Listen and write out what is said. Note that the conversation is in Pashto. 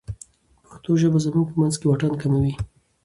پښتو ژبه زموږ په منځ کې واټن کموي.